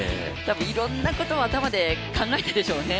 いろんなことを頭で考えたでしょうね。